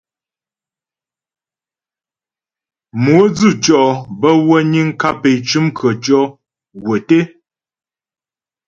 Mo dzʉtʉɔ bə́ wə niŋ kap é cʉm khətʉɔ̌ gwə́ té.